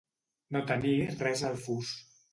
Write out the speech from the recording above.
No tenir res al fus.